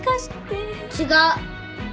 違う。